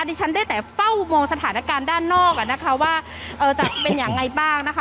ดิฉันได้แต่เฝ้ามองสถานการณ์ด้านนอกอ่ะนะคะว่าจะเป็นยังไงบ้างนะคะ